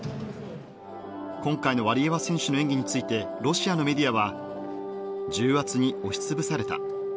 今回のワリエワ選手の演技についてロシアのメディアは重圧に押しつぶされた。